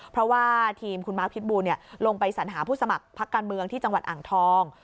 เพราะว่าทีมคุณมาร์คพิษบูลงไปสัญหาผู้สมัครพักการเมืองที่จังหวัดอ่างทอง